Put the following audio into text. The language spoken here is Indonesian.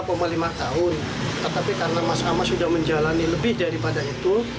tetapi karena mas amas sudah menjalani lebih daripada itu